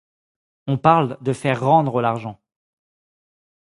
On parle de faire rendre l’argent.